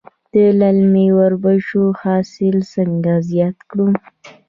د للمي وربشو حاصل څنګه زیات کړم؟